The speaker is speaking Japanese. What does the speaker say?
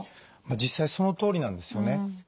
実際そのとおりなんですよね。